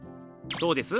どうです？